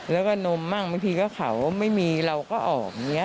แล้วก็โน้มมากไม่ดีก็ข่าวว่าไม่มีเราก็ออก